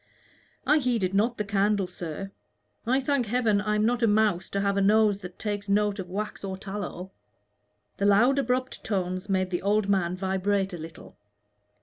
"I heeded not the candle, sir. I thank Heaven I am not a mouse to have a nose that takes note of wax or tallow." The loud abrupt tones made the old man vibrate a little.